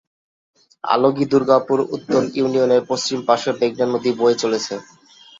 Algae Durgapur উত্তর ইউনিয়নের পশ্চিম পাশে মেঘনা নদী বয়ে চলেছে।